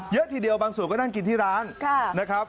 เยอะทีเดียวบางส่วนก็นั่งกินที่ร้านนะครับ